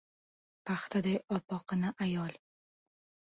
Paxtaday oppoqqina ayol.